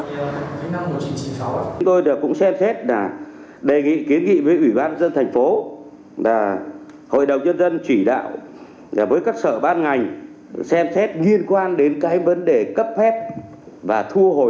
hồi rút giấy phép nhưng cái việc cũng vẫn rất là khó